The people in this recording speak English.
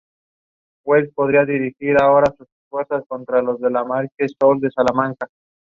Smith is best known for her roles in the daytime soap operas.